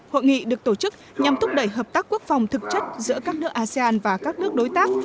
hội nghị được tổ chức nhằm thúc đẩy hợp tác quốc phòng thực chất giữa các nước asean và các nước đối tác